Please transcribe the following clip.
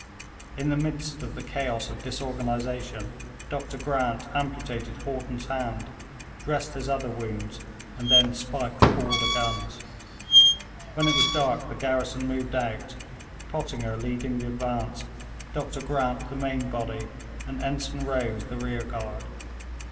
In the midst of the chaos of disorganisation, Dr Grant amputated Haughton's hand, dressed his other wounds, and then spiked all the guns. When it was dark, the garrison moved out, Pottinger leading the advance, Dr Grant the main body, and Ensign Rose the rear guard.